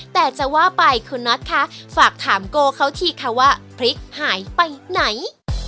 แต่จะว่าไปคุณน็อตคะฝากถามโกเขาทีค่ะว่าพริกหายไปไหน